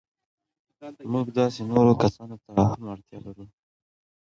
موږ داسې نورو کسانو ته هم اړتیا لرو.